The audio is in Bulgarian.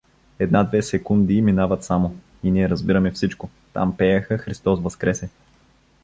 Една-две секунди минават само, и ние разбираме всичко: там пееха „Христос възкресе“.